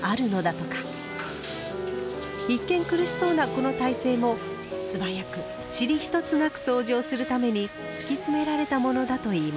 一見苦しそうなこの体勢も素早く塵一つなくそうじをするために突き詰められたものだといいます。